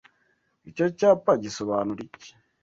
Icyo cyapa gisobanura iki?